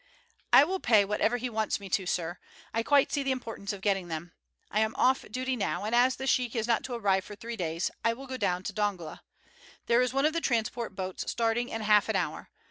"I will pay whatever he wants me to, sir; I quite see the importance of getting them. I am off duty now, and as the sheik is not to arrive for three days I will go down to Dongola. There is one of the transport boats starting in half an hour.